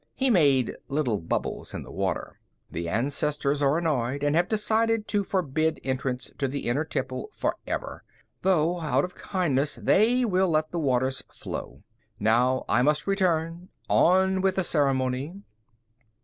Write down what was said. He made little bubbles in the water. "The ancestors are annoyed and have decided to forbid entrance to the Inner Temple forever; though, out of kindness, they will let the waters flow. Now I must return on with the ceremony!"